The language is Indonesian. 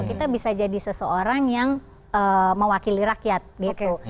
kita bisa jadi seseorang yang mewakili rakyat gitu